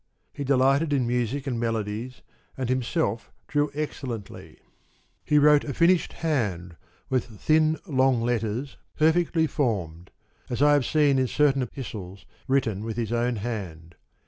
He delighted in music and melodies, and himself drew excellently. He wrote a finished hand, with thin long letters perfectly formed, as I have seen in certain epistles written with his own hand.